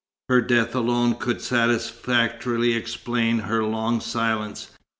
Her death alone could satisfactorily explain her long silence.